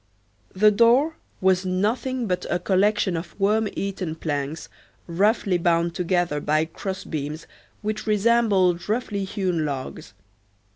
The door was nothing but a collection of worm eaten planks roughly bound together by cross beams which resembled roughly hewn logs.